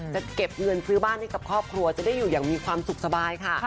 จะเก็บเงินซื้อบ้านให้กับครอบครัวจะได้อยู่อย่างมีความสุขสบายค่ะ